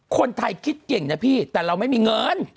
คนไทยคิดเก่งนะพี่แต่เราไม่มีเงิน